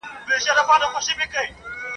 د جګړې ډګر د ټپيانو او وژل سوو ډک وو.